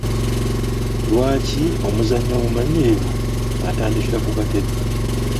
Lwaki omuzannyi omumanyirivu atandikira ku katebe?